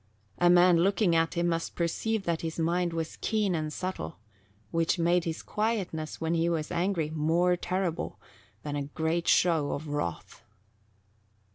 A man looking at him must perceive that his mind was keen and subtle, which made his quietness, when he was angry, more terrible than a great show of wrath.